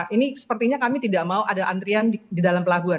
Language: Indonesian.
ini sepertinya kami tidak mau ada antrian di dalam pelabuhan